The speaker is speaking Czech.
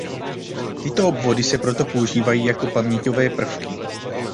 Tyto obvody se proto používají jako paměťové prvky.